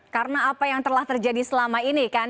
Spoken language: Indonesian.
karena apa yang telah terjadi selama ini kan